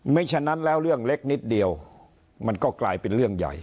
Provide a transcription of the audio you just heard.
ฉะนั้นแล้วเรื่องเล็กนิดเดียวมันก็กลายเป็นเรื่องใหญ่